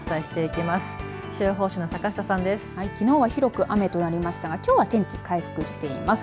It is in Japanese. きのうは広く雨となりましたが、きょうは天気回復しています。